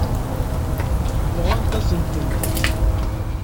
Nɣant-asent-tent.